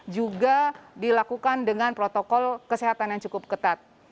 juga dilakukan dengan protokol kesehatan yang cukup ketat